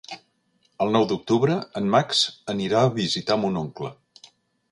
El nou d'octubre en Max anirà a visitar mon oncle.